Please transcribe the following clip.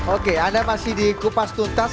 oke anda masih di kupas tuntas